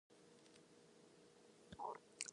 Their name is a neologism from "more-than".